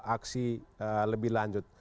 aksi lebih lanjut